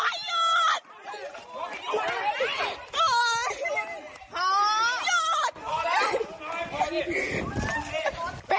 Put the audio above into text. อย่ารับเลยนะ